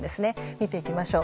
見ていきましょう。